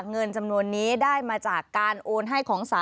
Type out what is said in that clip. เงินจำนวนนี้ได้มาจากการโอนให้ของศาล